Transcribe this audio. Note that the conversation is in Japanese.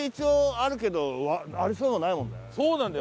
そうなんだよ。